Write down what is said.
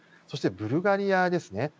そしてブルガリアですね。